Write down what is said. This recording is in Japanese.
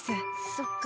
そっか。